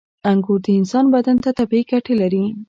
• انګور د انسان بدن ته طبیعي ګټې لري.